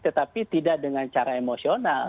tetapi tidak dengan cara emosional